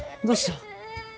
どうした？